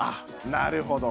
なるほど。